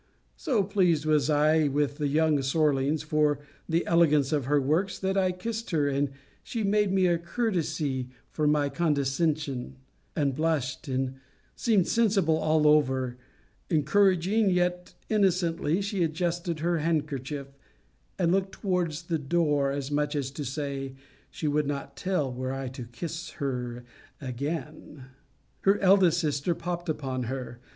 So pleased was I with the young Sorlings, for the elegance of her works, that I kissed her, and she made me a courtesy for my condescension; and blushed, and seemed sensible all over: encouraging, yet innocently, she adjusted her handkerchief, and looked towards the door, as much as to say, she would not tell, were I to kiss her again. Her eldest sister popt upon her.